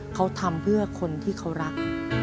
เขาทำเพื่อคนที่เขารัก